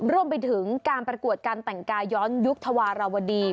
รวมไปถึงการประกวดการแต่งกายย้อนยุคธวารวดี